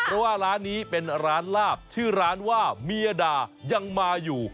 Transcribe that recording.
เพราะว่าร้านนี้เป็นร้านลาบชื่อร้านว่าเมียด่ายังมาอยู่